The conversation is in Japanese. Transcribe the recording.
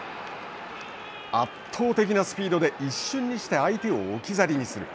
圧倒的なスピードで一瞬にして相手を置き去りにする。